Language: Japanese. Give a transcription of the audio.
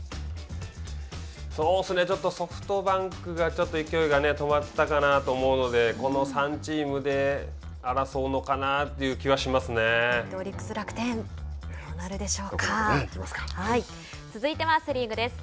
ちょっとソフトバンクがちょっと勢いが止まったかなと思うのでこの３チームで争うのかなっていう気がしますね。